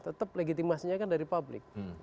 tetap legitimasinya kan dari publik